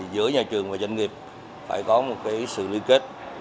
giữa nhà trường và doanh nghiệp phải có một sự liên kết